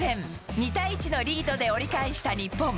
２対１のリードで折り返した日本。